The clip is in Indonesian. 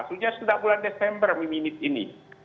sudah setelah bulan desember minit ini